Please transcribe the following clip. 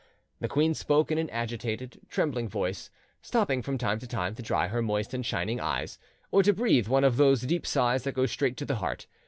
The queen spoke in an agitated, trembling voice, stopping from time to time to dry her moist and shining eyes, or to breathe one of those deep sighs that go straight to the heart.